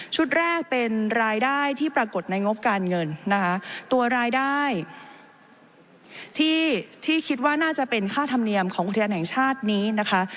แรกเป็นรายได้ที่ปรากฏในงบการเงินนะคะตัวรายได้ที่ที่คิดว่าน่าจะเป็นค่าธรรมเนียมของอุทยานแห่งชาตินี้นะคะ